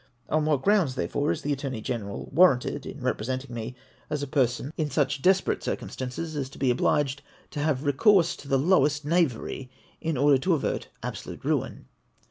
On what grounds, therefore, is the Attorney Gene ral warranted in representing me as a person in such desperate 462 APPENDIX XIV. circumstances as to be obliged to have recourse to the lowest knavery in order to avert absolute ruin